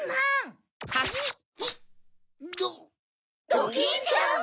ドキンちゃん